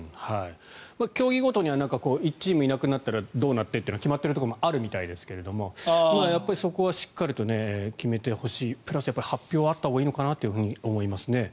競技ごとに１チームいなくなったらどうなってというのが決まっているところもあるみたいですがそこはしっかりと決めてほしいしプラス発表はあったほうがいいかなと思います。